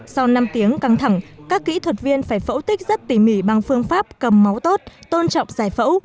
sau năm tiếng căng thẳng các kỹ thuật viên phải phẫu tích rất tỉ mỉ bằng phương pháp cầm máu tốt tôn trọng giải phẫu